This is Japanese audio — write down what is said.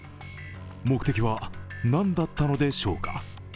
目的は何だったのでしょうか？